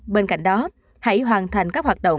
bên cạnh đó hãy hoàn thành các hoạt động